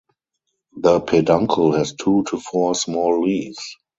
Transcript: The peduncle has two to four small leaves.